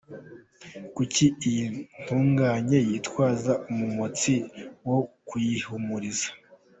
Kuki iyi ntungane yitwaza umumotsi wo kuyihumuriza?